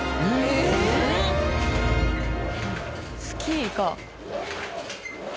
スキーが。